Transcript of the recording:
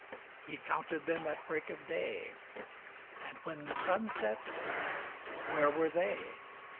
He counted them at break of day And when the sun set, where were they?